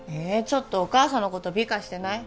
ちょっとお母さんのこと美化してない？